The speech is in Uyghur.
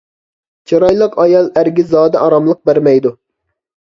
چىرايلىق ئايال ئەرگە زادى ئاراملىق بەرمەيدۇ.